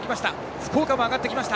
福岡も上がってきた。